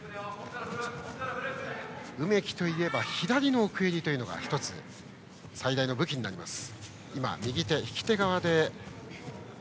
梅木といえば左の奥襟というのが１つ、最大の武器になります。